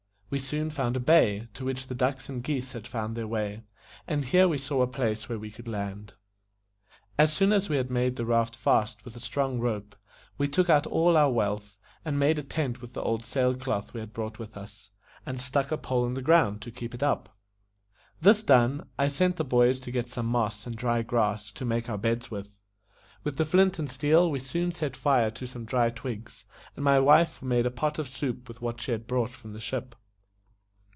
We soon found a bay, to which the ducks and geese had found their way, and here we saw a place where we could land. As soon as we had made the raft fast with a strong rope, we took out all our wealth, and made a tent with the old sail cloth we had brought with us, and stuck a pole in the ground to keep it up. This done, I sent the boys to get some moss and dry grass to make our beds with. With the flint and steel we soon set fire to some dry twigs, and my wife made a pot of soup with what she had brought from the ship.